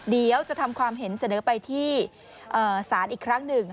เดี๋ยวจะทำความเห็นเสนอไปที่ศาลอีกครั้งหนึ่ง